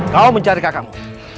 kau mencari kakakmu